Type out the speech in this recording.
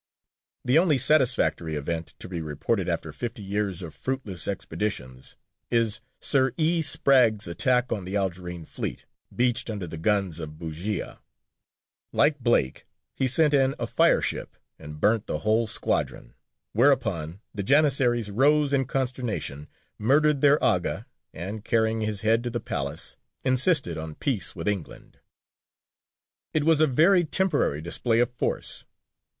" The only satisfactory event to be reported after fifty years of fruitless expeditions is Sir E. Spragg's attack on the Algerine fleet, beached under the guns of Bujēya: like Blake, he sent in a fireship and burnt the whole squadron. Whereupon the Janissaries rose in consternation, murdered their Aga, and, carrying his head to the Palace, insisted on peace with England. It was a very temporary display of force.